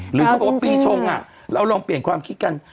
หรือเขาบอกว่าปีชงเราลองเปลี่ยนความคิดกัน